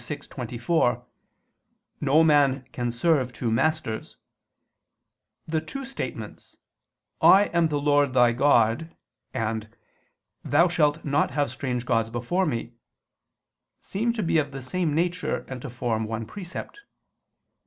6:24), "No man can serve two masters," the two statements, "I am the Lord thy God," and, "Thou shalt not have strange gods before Me" seem to be of the same nature and to form one precept.